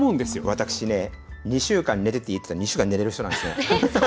私ね、２週間寝てていいって言ったら２週間、寝れる人なんですよ。